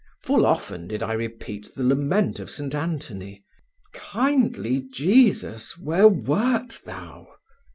Full often did I repeat the lament of St. Anthony: "Kindly Jesus, where wert Thou?"